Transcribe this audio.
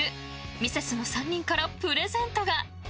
ミセスの３人からプレゼントが。